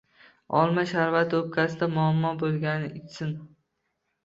Olma sharbati o'pkasida muammo bo'lganlar ichsin.